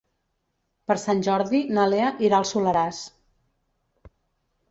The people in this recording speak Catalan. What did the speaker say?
Per Sant Jordi na Lea irà al Soleràs.